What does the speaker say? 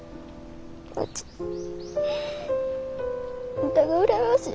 うちあんたが羨ましい。